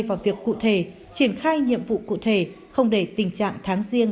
làm việc với các công ty phát triển